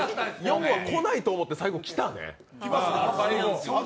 ４は来ないと思って最後来たね。